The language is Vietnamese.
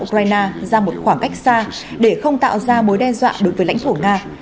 ukraine ra một khoảng cách xa để không tạo ra mối đe dọa đối với lãnh thổ nga